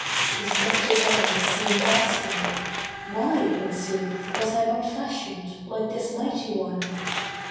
His lifted eyes seemed asking: 'Why, in sooth, Was I not fashioned like this mighty one?